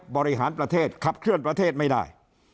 บริหารประเทศขับเคลื่อนประเทศไม่ได้